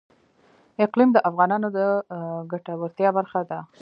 اقلیم د افغانانو د ګټورتیا برخه ده.